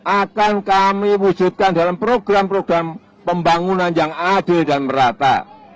akan kami wujudkan dalam program program pembangunan yang adil dan merata